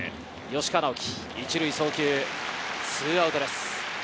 吉川尚輝、１塁送球２アウトです。